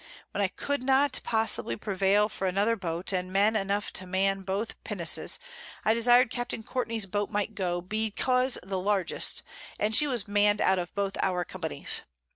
When I could not possibly prevail for another Boat, and Men enough to mann both Pinnaces, I desired Capt. Courtney's Boat might go, because the largest, and she was mann'd out of both our Companies.